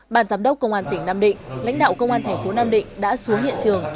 bàn giám đốc công an tỉnh nam định lãnh đạo công an thành phố nam định đã xuống hiện trường